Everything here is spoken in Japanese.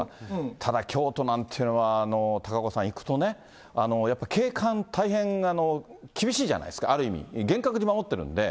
ただ京都なんていうのは、高岡さん、いくとね、やっぱり景観、大変厳しいじゃないですか、ある意味。厳格に守ってるんで。